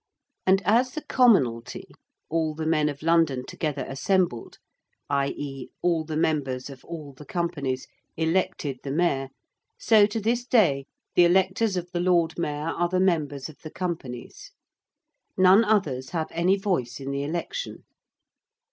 And as the commonalty, all the men of London together assembled, i.e. all the members of all the companies, elected the Mayor, so to this day the electors of the Lord Mayor are the members of the Companies. None others have any voice in the election.